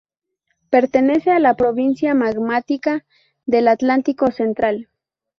Pertenece a la Provincia magmática del Atlántico Central.